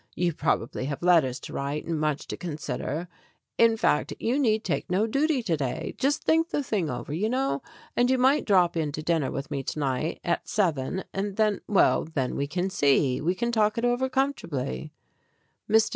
You probably have letters to write and much to consider. In fact, you need take no duty to day. Just think the thing over, you know. And you might drop in to dinner with me to night at seven, and then well, then we can see, we can talk it over comfortably." Mr.